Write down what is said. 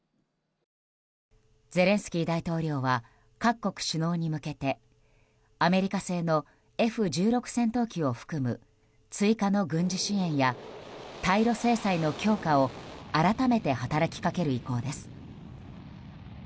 ゼレンスキー大統領は各国首脳に向けてアメリカ製のＦ１６戦闘機を含む追加の軍事支援や対ロ制裁の強化を改めて働きかける意向です。